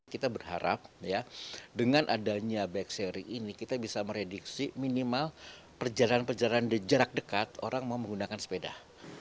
kita berharap ya dengan adanya bike seri ini kita bisa merediksi minimal perjalanan perjalanan jarak dekat orang mau menggunakan sepeda